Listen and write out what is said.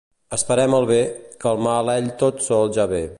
Esperem el bé, que el mal ell tot sol ja ve.